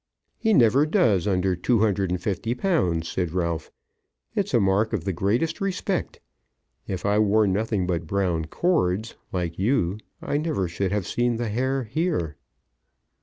"He never does under two hundred and fifty pounds," said Ralph. "It's a mark of the greatest respect. If I wore nothing but brown cords, like you, I never should have seen the Herr here."